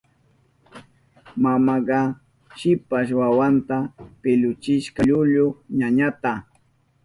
Mamanka shipas wawanta pilluchishka llullu ñañanta.